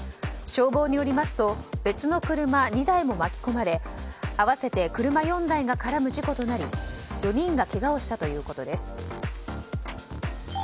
消防によりますと別の車２台も巻き込まれ合わせて車４台が絡む事故となり４人がけがをしたということです。